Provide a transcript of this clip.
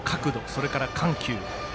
それから緩急。